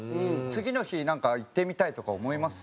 次の日なんか行ってみたいとか思います？